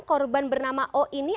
korban bernama o ini